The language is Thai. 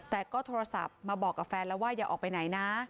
แต่ก็โทรศัพท์มาบอกกับแฟนแล้วว่าอย่าออกไปไหนนะ